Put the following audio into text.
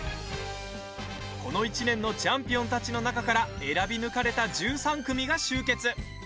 この１年のチャンピオンたちの中から選び抜かれた１３組が集結。